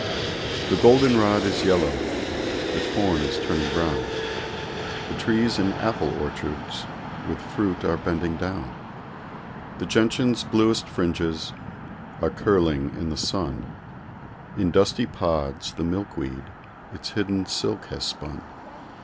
The golden rod is yellow; The corn is turning brown; The trees in apple orchards With fruit are bending down. The gentian's bluest fringes Are curling in the sun; In dusty pods the milkweed Its hidden silk has spun.